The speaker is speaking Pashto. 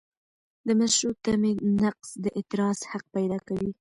د مشروع تمې نقض د اعتراض حق پیدا کوي.